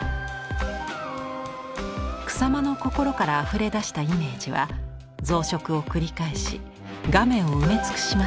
草間の心からあふれ出したイメージは増殖を繰り返し画面を埋め尽くします。